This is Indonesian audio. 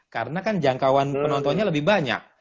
karena kan jangkauan penontonnya lebih banyak